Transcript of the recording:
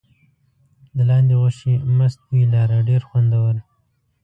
د لاندي غوښې مست بوی لاره ډېر خوندور.